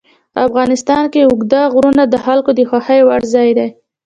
افغانستان کې اوږده غرونه د خلکو د خوښې وړ ځای دی.